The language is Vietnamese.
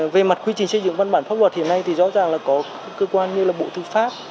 về mặt quy trình xây dựng văn bản pháp luật hiện nay thì rõ ràng là có cơ quan như là bộ tư pháp